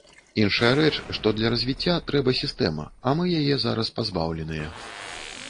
Іншая рэч, што для развіцця трэба сістэма, а мы яе зараз пазбаўленыя.